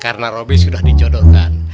karena robby sudah dicodokan